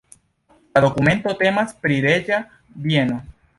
La dokumento temas pri reĝa bieno.